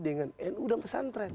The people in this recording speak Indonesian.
dengan nu dan pesantren